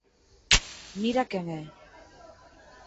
Mira quen é.